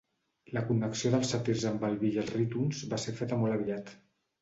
La connexió dels sàtirs amb el vi i els rítons va ser feta molt aviat.